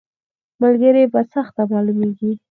ملګری په سخته کې معلومیږي